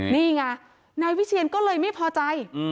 นี่ไงนายวิเชียนก็เลยไม่พอใจ